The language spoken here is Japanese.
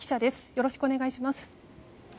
よろしくお願いします。